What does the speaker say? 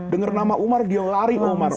dengar nama umar dia lari umar